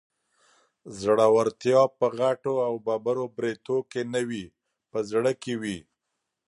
زړورتيا په غټو او ببرو برېتو کې نه وي، په زړه کې وي